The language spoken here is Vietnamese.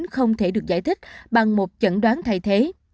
không thể được giải thích bằng một chẩn đoán thay thế